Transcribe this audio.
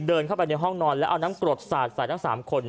เดินเข้าไปในห้องนอนแล้วเอาน้ำกรดสาดใส่ทั้ง๓คน